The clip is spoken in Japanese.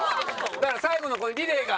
だから最後のリレーが。